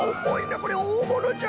これおおものじゃ！